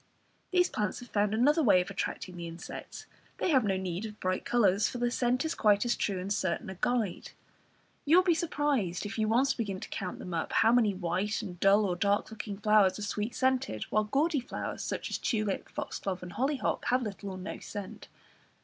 These plants have found another way of attracting the insects; they have no need of bright colours, for their scent is quite as true and certain a guide. You will be surprised if you once begin to count them up, how many white and dull or dark looking flowers are sweet scented, while gaudy flowers, such as tulip, foxglove and hollyhock, have little or no scent.